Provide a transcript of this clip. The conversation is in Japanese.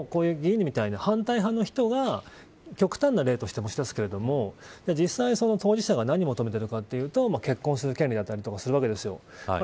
あくまでもこういう議員みたいな反対派の人が極端な例として持ち出すけれども実際、当事者が何を求めているかというと結婚する権利だったりとかするわけです。